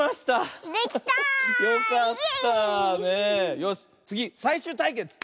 よしつぎさいしゅうたいけつ！